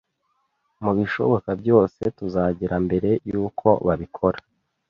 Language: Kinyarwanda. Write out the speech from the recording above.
Mubishoboka byose, tuzagera mbere yuko babikora